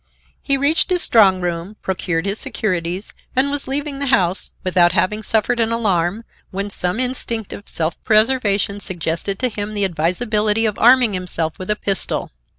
He reached his strong room, procured his securities and was leaving the house, without having suffered an alarm, when some instinct of self preservation suggested to him the advisability of arming himself with a pistol.